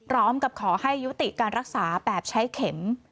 พร้อมกับขอให้ยุติการรักษาแบบใช้เข็ม